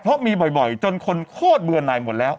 เพราะมีบ่อยจนคนโคตรเบื่อหน่ายหมดแล้ว